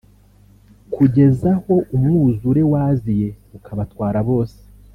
kugeza aho umwuzure waziye ukabatwara bose